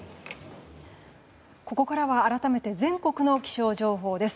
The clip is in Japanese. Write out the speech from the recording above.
ここからは改めて全国の気象情報です。